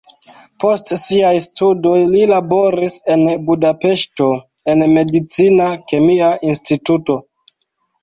Post siaj studoj li laboris en Budapeŝto en medicina kemia instituto.